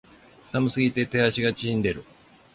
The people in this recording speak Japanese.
寒すぎて手足が悴んでいる